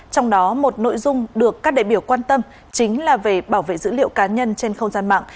trong đó một nội dung được các đại biểu quan tâm chính là về bảo vệ dữ liệu cá nhân trên không gian mạng